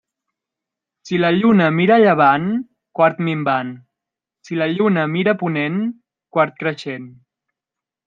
Si la lluna mira a llevant, quart minvant; si la lluna mira a ponent, quart creixent.